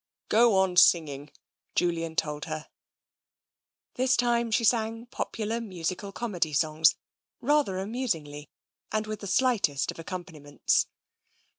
"Go on singing," Julian told her. This time she sang popular musical comedy songs, rather amusingly, and with the slightest of accom paniments.